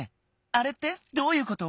あれってどういうこと？